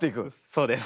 そうです。